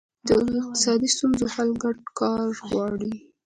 د اقتصادي ستونزو حل ګډ کار غواړي.